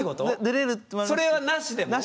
それはなしでも？